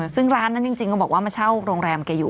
ซึ่งร้านนั้นจริงเขาบอกว่ามาเช่าโรงแรมแกอยู่